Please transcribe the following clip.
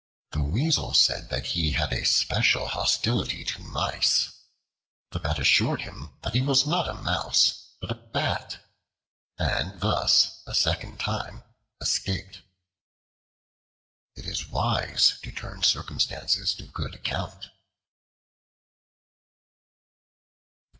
The Weasel said that he had a special hostility to mice. The Bat assured him that he was not a mouse, but a bat, and thus a second time escaped. It is wise to turn circumstances to good account.